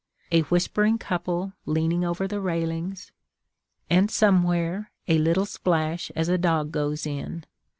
A whispering couple, leaning over the railings, And somewhere, a little splash as a dog goes in.